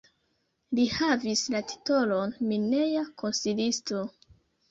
Li havis la titolon mineja konsilisto.